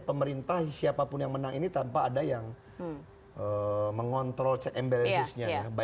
pemerintah siapapun yang menang ini tanpa ada yang mengontrol check and balancesnya